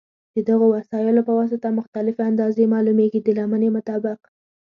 د دغو وسایلو په واسطه مختلفې اندازې معلومېږي د لمنې مطابق.